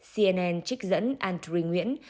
cnn trích dẫn andrew nguyễn